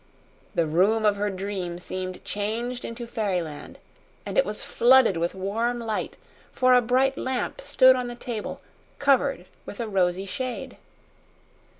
The room of her dream seemed changed into fairyland and it was flooded with warm light, for a bright lamp stood on the table covered with a rosy shade.